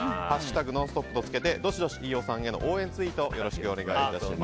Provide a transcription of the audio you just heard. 「＃ノンストップ」とつけてどしどし飯尾さんへの応援ツイートよろしくお願いします。